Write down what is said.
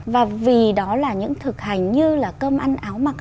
và vì đó là những thực hành như là cơm ăn áo mặc